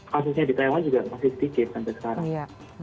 kasusnya di thailand juga masih sedikit sampai sekarang